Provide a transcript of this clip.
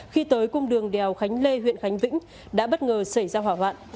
khi tới cung đường đèo khánh lê huyện khánh vĩnh đã bất ngờ xảy ra hỏa hoạn